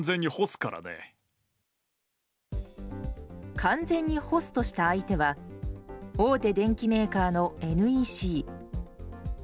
完全に干すとした相手は大手電機メーカーのＮＥＣ。